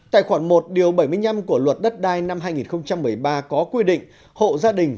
tài khoản một bảy mươi năm của luật đất đai năm hai nghìn một mươi ba có quy định